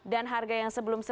dan harga yang sebelumnya